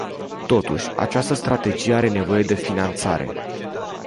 Totuși, această strategie are nevoie de finanțare.